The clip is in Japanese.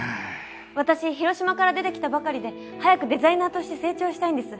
私広島から出て来たばかりで早くデザイナーとして成長したいんです。